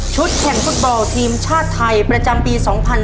แข่งฟุตบอลทีมชาติไทยประจำปี๒๕๕๙